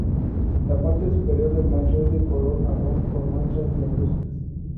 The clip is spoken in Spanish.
La parte superior del macho es de color marrón con manchas negruzcas.